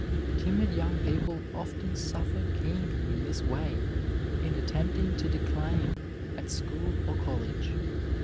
Timid young people often suffer keenly in this way in attempting to declaim at school or college.